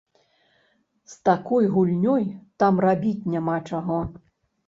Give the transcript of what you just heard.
З такой гульнёй там рабіць няма чаго.